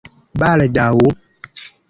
baldaŭ